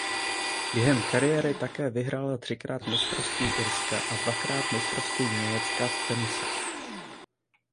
Během kariéry také vyhrála třikrát Mistrovství Irska a dvakrát Mistrovství Německa v tenise.